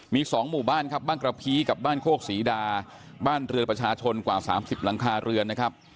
มี๒หมู่บ้านครับบ้านกระพีกับบ้านโคกศรีดาบ้านเรือนประชาชนกว่า๓๐หลังคาเรือนนะครับ